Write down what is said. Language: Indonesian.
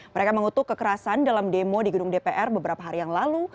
mereka mengutuk kekerasan dalam demo di gedung dpr beberapa hari yang lalu